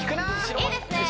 いいですね